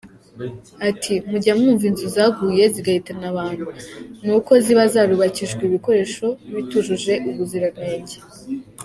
Ati "Mujya mwumva inzu zaguye, zigahitana abantu, ni uko ziba zarubakishijwe ibikoresho bitujuje ubuziranenge.